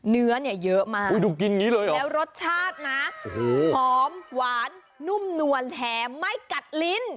เนื้อเนี่ยเยอะมากแล้วรสชาตินะหอมหวานนุ่มน่วนแถมไม่กัดลิ้น